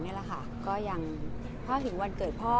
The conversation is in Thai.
เหมือนเดิม